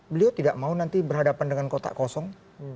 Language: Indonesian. beliau tidak mau nanti berhadapan dengan kotak kosong